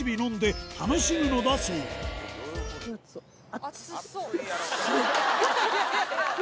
熱そう。